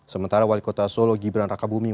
sementara wali kota solo gibran raka buming